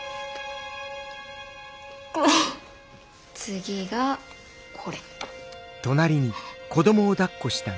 次がこれ。